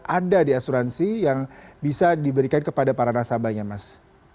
ada di asuransi yang bisa diberikan kepada para nasabahnya mas